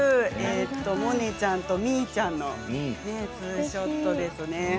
モネちゃんと、みーちゃんのツーショットですね。